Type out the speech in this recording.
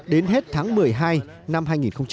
đến hết tháng một mươi hai năm hai nghìn một mươi bảy